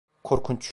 Korkunç.